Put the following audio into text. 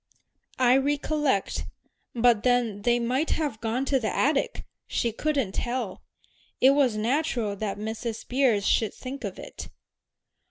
"I recollect. But then they might have gone to the attic she couldn't tell. It was natural that Mrs. Beers should think of it."